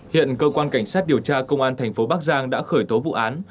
hiện cơ quan cảnh sát điều tra công an thành phố bắc giang đã khởi tố vụ án